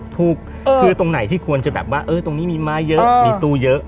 ถูกคือตรงไหนที่ควรจะแบบว่าตรงนี้มีไม้เยอะมีตู้เยอะ